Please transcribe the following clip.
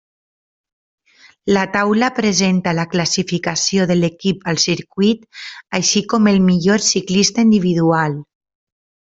La taula presenta la classificació de l'equip al circuit, així com el millor ciclista individual.